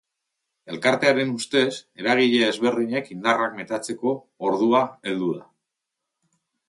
Elkartearen ustez, eragile ezberdinek indarrak metatzeko ordua heldu da.